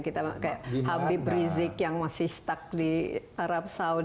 kita kayak habib rizik yang masih stuck di arab saudi